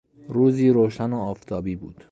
روزی روشن و آفتابی بود.